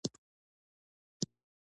په ځینو کلیو کې د انجونو ښوونځي بندېږي.